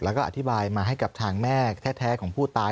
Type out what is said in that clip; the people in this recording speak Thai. แล้วก็อธิบายมาให้กับทางแม่แท้ของผู้ตาย